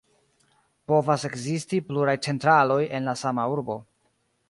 Povas ekzisti pluraj centraloj en la sama urbo.